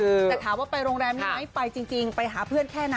แต่ถามว่าไปโรงแรมนี้ไหมไปจริงไปหาเพื่อนแค่นั้น